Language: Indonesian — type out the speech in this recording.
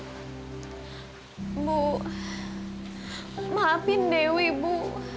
ibu maafkan dewi ibu